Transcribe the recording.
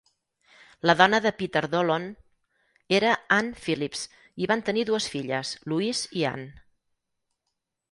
La dona de Peter Dollond era Ann Phillips, i van tenir dues filles, Louise i Anne.